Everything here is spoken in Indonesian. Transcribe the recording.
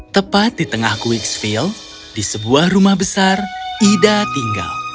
tepat di tengah quicksfield di sebuah rumah besar ida tinggal